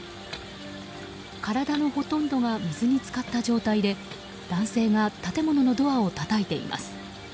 体のほとんどが水に浸かった状態で男性が建物のドアをたたいています。